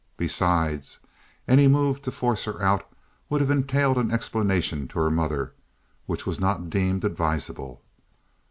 Besides, any move to force her out would have entailed an explanation to her mother, which was not deemed advisable.